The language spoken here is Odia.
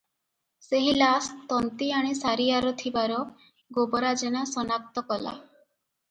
ସେହି ଲାସ୍ ତନ୍ତୀଆଣୀ ସାରିଆର ଥିବାର ଗୋବରା ଜେନା ସନାକ୍ତ କଲା ।